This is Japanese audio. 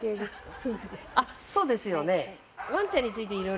あっそうですよね。